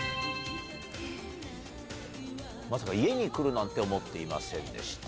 「まさか家に来るなんて思っていませんでした」。